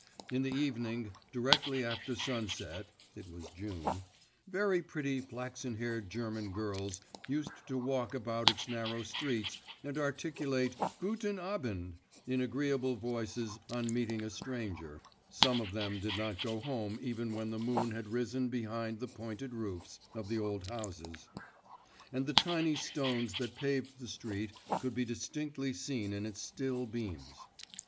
In the evening, directly after sunset (it was June), very pretty flaxen haired German girls used to walk about its narrow streets and articulate 'Guten Abend' in agreeable voices on meeting a stranger, some of them did not go home even when the moon had risen behind the pointed roofs of the old houses, and the tiny stones that paved the street could be distinctly seen in its still beams.